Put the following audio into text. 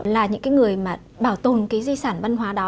là những cái người mà bảo tồn cái di sản văn hóa đó